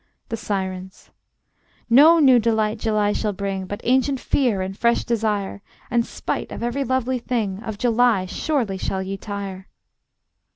The Sirens: No new delight July shall bring, But ancient fear and fresh desire; And spite of every lovely thing, Of July surely shall ye tire.